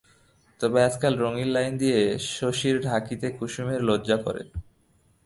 তবে আজকাল রঙিন লাইন দিয়া শশীর ঢাকিতে কুসুমের লজ্জা করে।